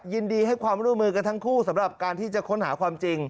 ยินดีให้ความร่วมมือกันทั้งคู่สำหรับการที่จะค้นหาความจริง